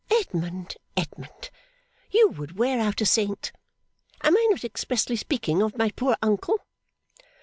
'Edmund, Edmund, you would wear out a Saint. Am I not expressly speaking of my poor uncle?